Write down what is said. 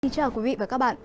xin chào quý vị và các bạn